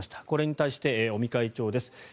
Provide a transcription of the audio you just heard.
これに対して尾身会長です。